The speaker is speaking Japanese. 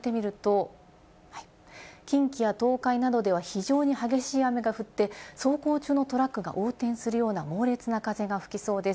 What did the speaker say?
今夜以降も見てみると、近畿や東海などでは非常に激しい雨が降って走行中のトラックが横転するような猛烈な風が吹きそうです。